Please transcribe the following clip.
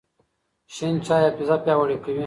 شین چای حافظه پیاوړې کوي.